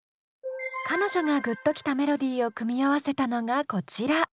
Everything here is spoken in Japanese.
彼女がグッときたメロディーを組み合わせたのがこちら。